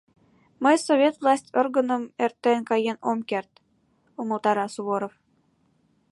Мый Совет власть органым эртен каен ом керт, — умылтара Суворов.